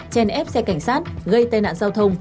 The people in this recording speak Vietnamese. chèn ép xe cảnh sát gây tai nạn giao thông